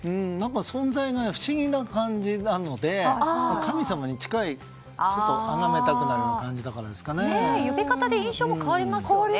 存在が不思議な感じなので神様に近いあがめたくなるような呼び方で印象も変わりますよね。